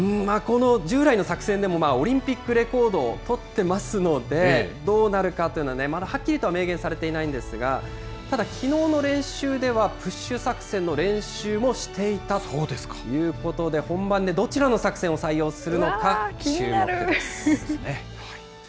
この従来の作戦でも、オリンピックレコードをとってますので、どうなるかというのはね、まだはっきりとは明言されていないんですが、ただきのうの練習では、プッシュ作戦の練習もしていたということで、本番でどちらの作戦を採用するのか、注目です。